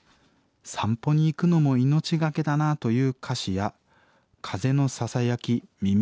『散歩に行くのも命がけだな』という歌詞や『風のささやき耳障りだ